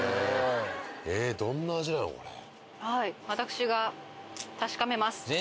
私が確かめます。